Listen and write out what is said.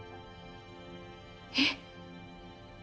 えっ！？